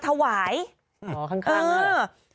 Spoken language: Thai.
ถวายอ๋อข้าง